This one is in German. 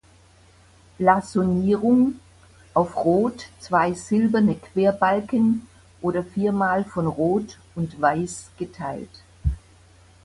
Blasonierung: Auf Rot zwei silberne Querbalken oder viermal von Rot und Weiß geteilt.